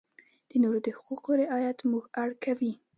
د نورو د حقوقو رعایت موږ اړ کوي.